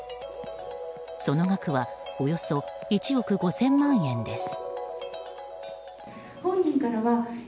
その額はおよそ１億５０００万円です。